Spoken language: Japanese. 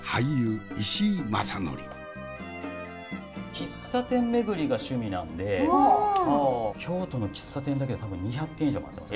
喫茶店巡りが趣味なんで京都の喫茶店だけで多分２００軒以上回ってます。